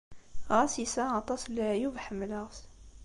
Ɣas yesɛa aṭas n leɛyub, ḥemmleɣ-t.